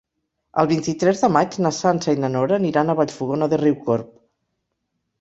El vint-i-tres de maig na Sança i na Nora aniran a Vallfogona de Riucorb.